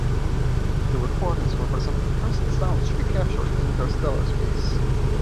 The recordings represent the first sounds to be captured in interstellar space.